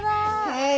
はい。